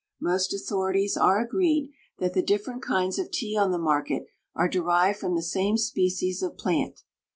Most authorities are agreed that the different kinds of tea on the market are derived from the same species of plant.